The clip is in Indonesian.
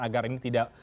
agar ini tidak